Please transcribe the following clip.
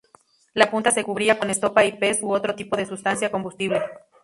La punta se cubría con estopa y pez u otro tipo de sustancia combustible.